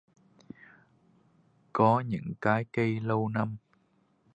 Có những cái cây lâu năm